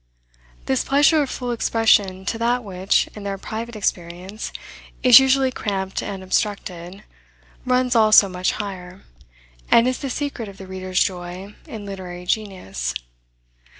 This pleasure of full expression to that which, in their private experience, is usually cramped and obstructed, runs, also, much higher, and is the secret of the reader's joy in literary genius.